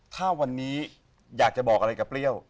ถ้าวันนี้อยากจะบอกอะไรกับเปรี้ยว